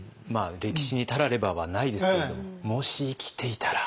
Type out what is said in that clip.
歴史に「たられば」はないですけれどもし生きていたら。